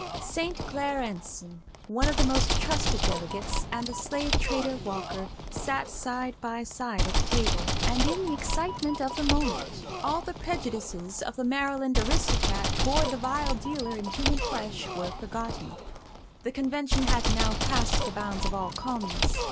St. Clair Enson, one of the most trusted delegates, and the slave trader Walker sat side by side at the table, and in the excitement of the moment all the prejudices of the Maryland aristocrat toward the vile dealer in human flesh were forgotten. The convention had now passed the bounds of all calmness.